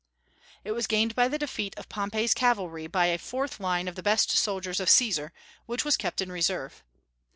It was gained by the defeat of Pompey's cavalry by a fourth line of the best soldiers of Caesar, which was kept in reserve.